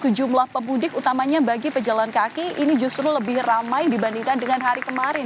jumlah pemudik utamanya bagi pejalan kaki ini justru lebih ramai dibandingkan dengan hari kemarin